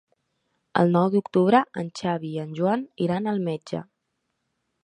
El nou d'octubre en Xavi i en Joan iran al metge.